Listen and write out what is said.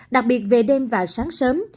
đặc biệt về đêm và sáng sớm